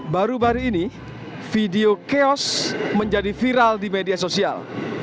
baru baru ini video chaos menjadi viral di media sosial